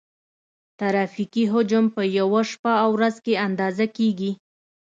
ترافیکي حجم په یوه شپه او ورځ کې اندازه کیږي